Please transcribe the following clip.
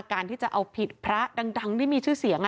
การที่จะเอาผิดพระดังที่มีชื่อเสียง